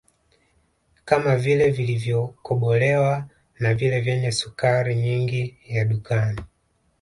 kama vile vilivyokobolewa na vile vyenye sukari nyingi ya dukani